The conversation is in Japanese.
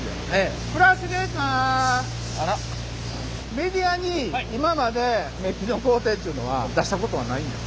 メディアに今までめっきの工程っていうのは出したことはないんです。